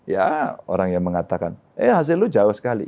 ya orang yang mengatakan eh hasil lu jauh sekali